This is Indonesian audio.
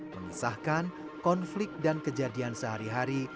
mengisahkan konflik dan kejadian sehari hari